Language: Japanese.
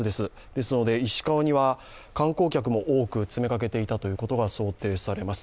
ですので石川には観光客も多く詰めかけていたことが想定されます。